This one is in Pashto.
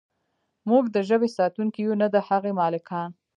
موږ د ژبې ساتونکي یو نه د هغې مالکان.